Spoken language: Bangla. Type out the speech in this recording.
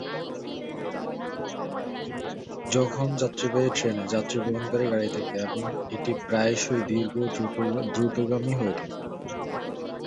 একটি যাত্রীবাহী ট্রেনে যাত্রী-বহনকারী গাড়ি থাকে এবং এটি প্রায়শই দীর্ঘ ও দ্রুতগামী হয়ে থাকে।